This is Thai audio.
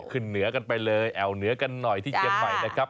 เหนือกันไปเลยแอวเหนือกันหน่อยที่เชียงใหม่นะครับ